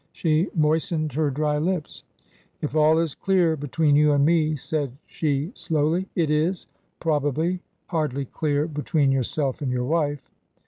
She moistened her dry lips. " If all is clear between you and me," said she, slowly, "it is — ^probably — ^hardly clear between yourself and your wife."